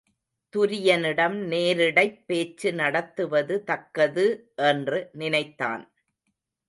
துரியனிடம் நேரிடைப் பேச்சு நடத்துவது தக்கது என்று நினைத்தான்.